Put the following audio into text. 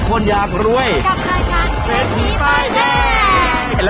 กัดล่ะ